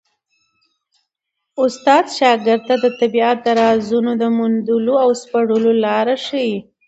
استاد شاګرد ته د طبیعت د رازونو د موندلو او سپړلو لاره ښيي.